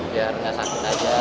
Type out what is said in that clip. biar gak sakit aja